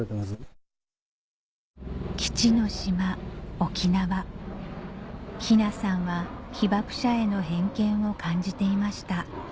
沖縄雛さんは被爆者への偏見を感じていました